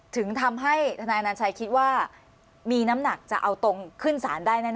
ถึงทำให้ทนายอนัญชัยคิดว่ามีน้ำหนักจะเอาตรงขึ้นสารได้แน่